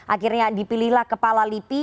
akhirnya dipilihlah kepala lipi